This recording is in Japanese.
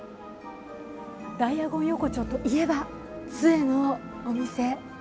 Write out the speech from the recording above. ダイアゴン横丁といえば、つえのお店。